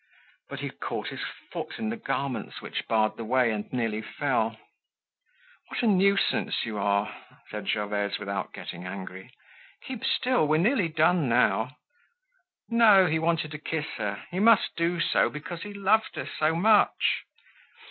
But he caught his foot in the garments which barred the way and nearly fell. "What a nuisance you are!" said Gervaise without getting angry. "Keep still, we're nearly done now." No, he wanted to kiss her. He must do so because he loved her so much.